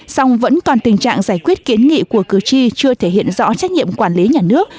song vẫn còn tình trạng giải quyết kiến nghị của cử tri chưa thể hiện rõ trách nhiệm quản lý nhà nước